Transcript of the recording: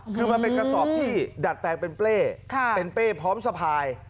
คือมันเป็นกระสอบที่ดัดแปลงเป็นเป้เป็นเป้พร้อมสะพาย